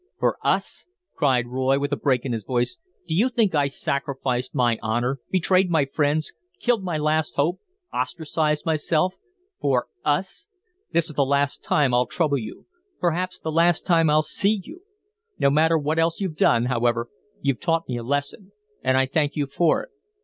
"For US!" cried Roy, with a break in his voice. "Do you think I sacrificed my honor, betrayed my friends, killed my last hope, ostracized myself, for 'US'? This is the last time I'll trouble you. Perhaps the last time I'll see you. No matter what else you've done, however, you've taught me a lesson, and I thank you for it.